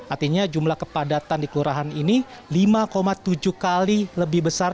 artinya jumlah kepadatan di kelurahan ini lima tujuh kali lebih besar